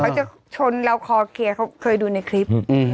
เขาจะชนเราคอเคลียร์เขาเคยดูในคลิป